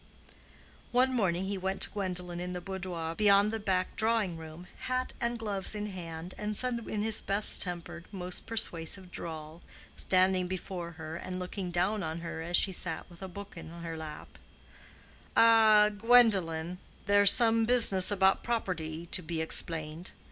One morning he went to Gwendolen in the boudoir beyond the back drawing room, hat and gloves in hand, and said with his best tempered, most persuasive drawl, standing before her and looking down on her as she sat with a book on her lap, "A—Gwendolen, there's some business about property to be explained.